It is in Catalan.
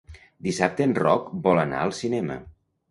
Dissabte en Roc vol anar al cinema.